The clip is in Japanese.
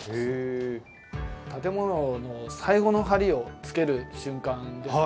建物の最後の梁をつける瞬間ですね。